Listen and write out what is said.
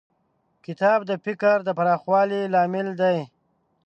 کتاب د فکر د پراخوالي لامل دی.